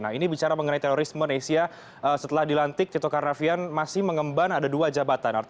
nah ini bicara mengenai terorisme asia setelah dilantik tito karnavian masih mengemban ada dua jabatan